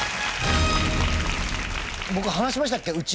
僕話しましたっけ？